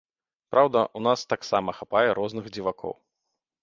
Праўда, у нас таксама хапае розных дзівакоў.